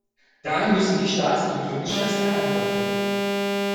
Da müssen die Staats- und Regierungschefs eine Antwort finden.